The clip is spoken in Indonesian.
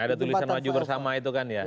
ada tulisan maju bersama itu kan ya